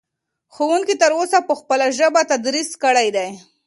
ښوونکي تر اوسه په خپله ژبه تدریس کړی دی.